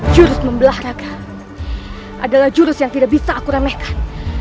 jurus membelah raka adalah jurus yang tidak bisa aku remehkan